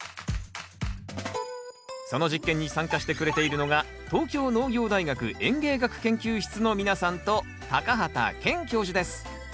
その実験に参加してくれているのが東京農業大学園芸学研究室の皆さんと畑健教授です。